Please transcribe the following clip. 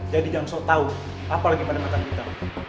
jadi jangan sok tau apa lagi pada mata kita